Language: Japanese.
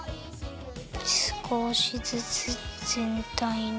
すこしずつぜんたいに。